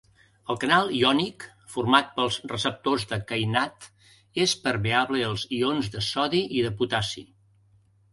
El canal iònic format pels receptors de kainat és permeable als ions de sodi i de potassi.